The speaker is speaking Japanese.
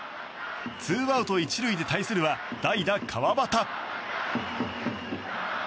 ツーアウト１塁で対するは代打、川端。